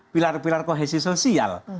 pilar pilar kohesi sosial